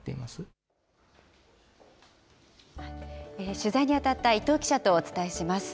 取材に当たった伊藤記者とお伝えします。